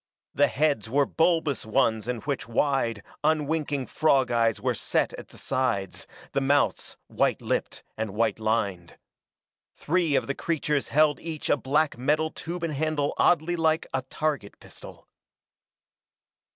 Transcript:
The heads were bulbous ones in which wide, unwinking frog eyes were set at the sides, the mouths white lipped and white lined. Three of the creatures held each a black metal tube and handle oddly like a target pistol.